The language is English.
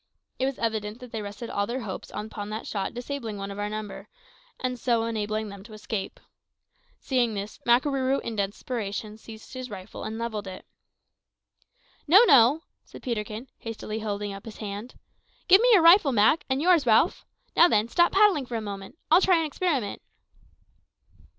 It was evident that they rested all their hopes upon that shot disabling one of our number, and so enabling them to escape. Seeing this, Makarooroo in desperation seized his rifle and levelled it. "No, no," said Peterkin, hastily holding up his hand. "Give me your rifle, Mak; and yours, Ralph. Now then, stop paddling for a moment; I'll try an experiment."